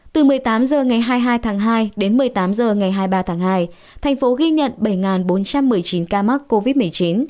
từ một mươi tám h ngày hai mươi hai tháng hai đến một mươi tám h ngày hai mươi ba tháng hai thành phố ghi nhận bảy bốn trăm một mươi chín ca mắc covid một mươi chín